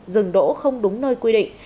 dừng đỗ không đúng nơi quy định